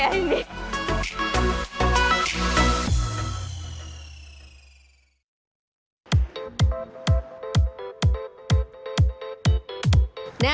nah setelah menikmati wisata dari ketinggian